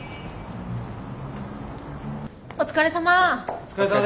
お疲れさま。